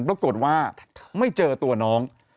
ปรากฏว่าไม่เจอตัวน้อง